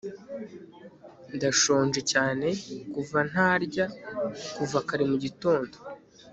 ndashonje cyane kuva ntarya kuva kare mugitondo